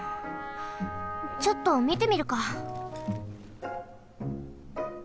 ちょっとみてみるか！